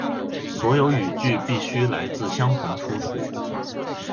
所有语句必须来自相同出处